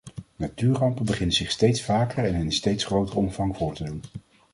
Natuurrampen beginnen zich steeds vaker en in steeds grotere omvang voor te doen.